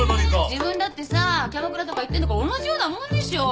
自分だってさキャバクラとか行ってんだからおんなじようなもんでしょ。